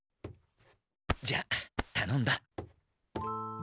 じゃあたのんだ。